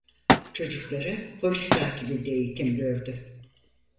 Çocukları polis takibinde eğitim gördü.